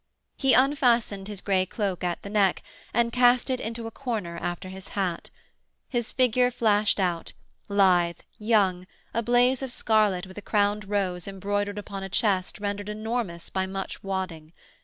He unfastened his grey cloak at the neck and cast it into a corner after his hat. His figure flashed out, lithe, young, a blaze of scarlet with a crowned rose embroidered upon a chest rendered enormous by much wadding.